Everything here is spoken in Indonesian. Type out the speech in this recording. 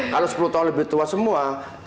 kalau sepuluh tahun lebih tua semua